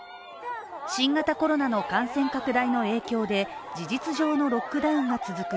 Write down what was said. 新型コロナの感染拡大の影響で事実上のロックダウンが続く